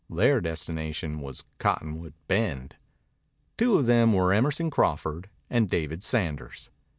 Their destination was Cottonwood Bend. Two of them were Emerson Crawford and David Sanders.